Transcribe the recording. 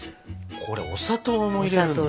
これお砂糖も入れるんだ？